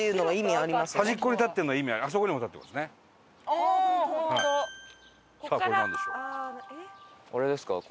あれですか？